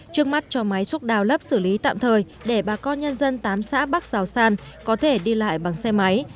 trước mắt cho máy xúc đào lấp xử lý tạm thời để bà con nhân dân tám xã bắc giảo san có thể đi lại bằng xe máy